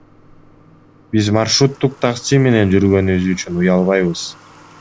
Биз маршруттук такси менен жүргөнүбүз үчүн уялбайбыз.